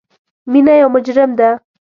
مینه یو مجرم ده